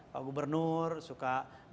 pak gubernur suka datang ke acara acara kecil